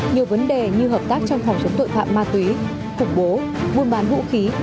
nhiều vấn đề như hợp tác trong phòng chống tội phạm ma túy khủng bố buôn bán vũ khí